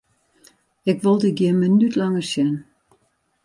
Ik wol dyn gjin minút langer sjen!